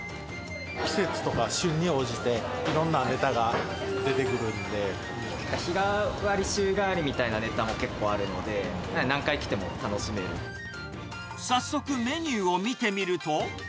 季節とか旬に応じていろんな日替わり、週替わりみたいなネタも結構あるので、早速メニューを見てみると。